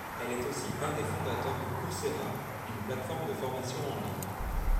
Elle est aussi un des fondateurs de Coursera, une plateforme de formation en ligne.